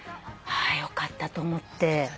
あよかったと思って。